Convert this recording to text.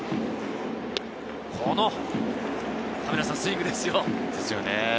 このスイングですよ。